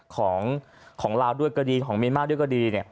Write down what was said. ของของลาวด้วยก็ดีของเมรม่าด้วยก็ดี